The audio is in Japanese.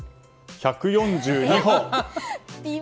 １４２歩！